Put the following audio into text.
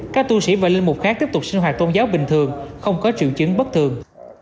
các tu sĩ và linh mục khác tiếp tục sinh hoạt tôn giáo bình thường không có triệu chứng bất thường